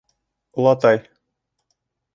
Олатай.